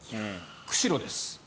釧路です。